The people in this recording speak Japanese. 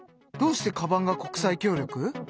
どうしてカバンが国際協力？